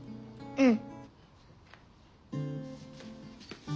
うん。